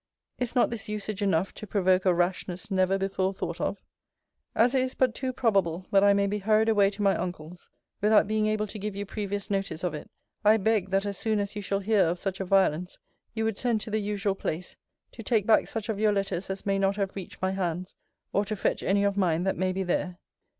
Is not this usage enough to provoke a rashness never before thought of? As it is but too probable that I may be hurried away to my uncle's without being able to give you previous notice of it; I beg that as soon as you shall hear of such a violence, you would send to the usual place, to take back such of your letters as may not have reached my hands, or to fetch any of mine that may be there.